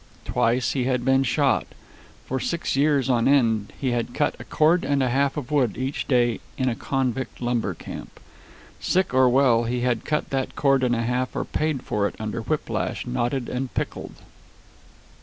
Twice he had been shot. For six years on end he had cut a cord and a half of wood each day in a convict lumber camp. Sick or well, he had cut that cord and a half or paid for it under a whip lash knotted and pickled.